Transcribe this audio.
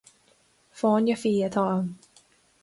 Fáinne fí atá ann.